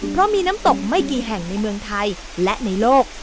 เพราะมีน้ำตกไม่กี่แห่งในเมืองไทยและในโลก